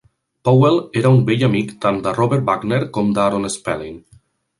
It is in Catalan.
Powell era un vell amic tant de Robert Wagner com d'Aaron Spelling.